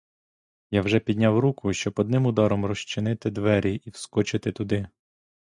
Я вже підняв руку, щоб одним ударом розчинити двері і вскочити туди.